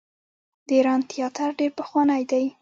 د ایران تیاتر ډیر پخوانی دی.